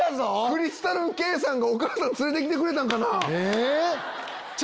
クリスタル・ケイさんがお母さん連れて来てくれたんかな？